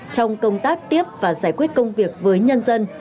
trong công tác tiếp và giải quyết công việc với nhân dân